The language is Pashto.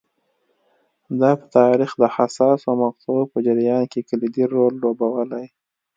دا په تاریخ د حساسو مقطعو په جریان کې کلیدي رول لوبولی